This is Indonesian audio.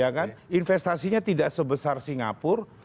ya kan investasinya tidak sebesar singapura